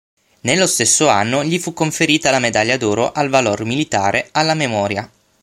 Nello stesso anno gli fu conferita la medaglia d'oro al valor militare alla memoria.